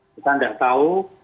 kita sudah tahu